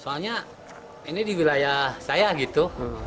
soalnya ini di wilayah saya gitu